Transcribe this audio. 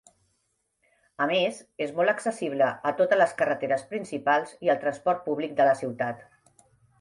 A més, és molt accessible a totes les carreteres principals i al transport públic de la ciutat.